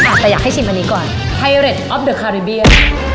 แต่อยากให้ชิมอันนี้ก่อนไฮเรดออฟเดอร์คาริเบีย